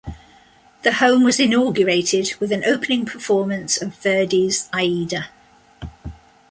The home was inaugurated with an opening performance of Verdi's "Aida".